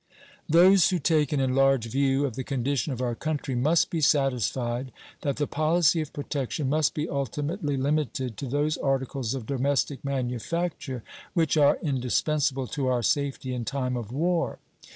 Those who take an enlarged view of the condition of our country must be satisfied that the policy of protection must be ultimately limited to those articles of domestic manufacture which are indispensable to our safety in time of war.